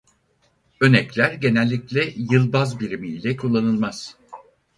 Ön ekler genellikle yıl baz birimi ile kullanılmaz.